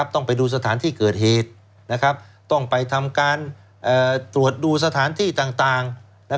ต้องไปดูสถานที่เกิดเหตุต้องไปทำการตรวจดูสถานที่ต่าง